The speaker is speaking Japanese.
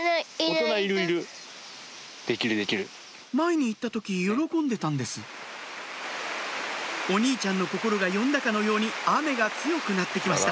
前に行った時喜んでたんですお兄ちゃんの心が呼んだかのように雨が強くなって来ました